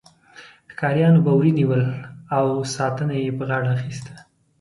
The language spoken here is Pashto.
ښکاریانو به وري نیول او ساتنه یې په غاړه اخیسته.